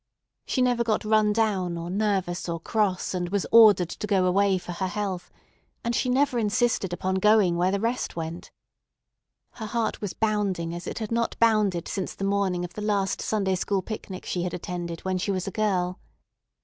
She never got run down or nervous or cross, and was ordered to go away for her health; and she never insisted upon going when the rest went. Her heart was bounding as it had not bounded since the morning of the last Sunday school picnic she had attended when she was a girl.